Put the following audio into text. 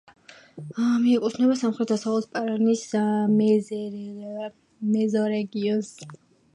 მიეკუთვნება სამხრეთ-დასავლეთ პარანის მეზორეგიონს.